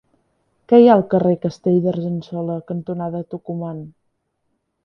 Què hi ha al carrer Castell d'Argençola cantonada Tucumán?